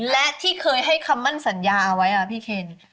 และที่เคยให้คำมั่นสัญญาเอาไว้พี่เคน